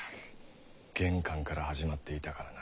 玄関から始まっていたからな。